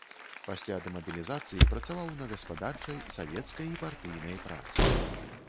Пасля дэмабілізацыі працаваў на гаспадарчай, савецкай і партыйнай працы.